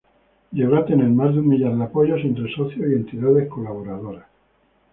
Llegó a tener más de un millar de apoyos entre socios y entidades colaboradoras.